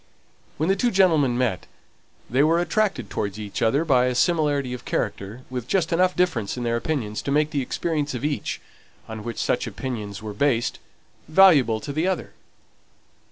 When the two gentlemen met they were attracted towards each other by a similarity of character, with just enough difference in their opinions to make the experience of each, on which such opinions were based, valuable to the other.